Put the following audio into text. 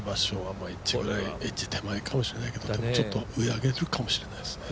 エッジ手前かもしれないけどちょっと上に上げるかもしれないですね。